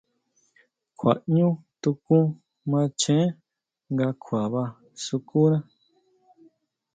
Kjua ʼñú tukún macheé nga kjuaba sukuna.